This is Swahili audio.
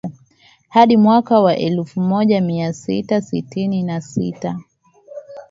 hadi mwaka elfu moja mia tisa sitini na sita